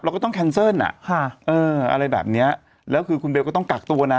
ก็ต้องแคนเซิลอ่ะค่ะเอออะไรแบบเนี้ยแล้วคือคุณเบลก็ต้องกักตัวนะ